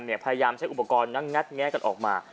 พยายามใช้อุปกรณ์นั้นงัดแงะกันออกมา